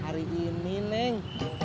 hari ini neng